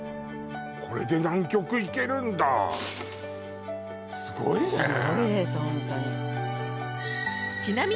これで南極行けるんだすごいねすごいです